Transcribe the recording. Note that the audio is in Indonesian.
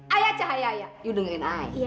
ayah cahaya ayah kamu dengarkan ayah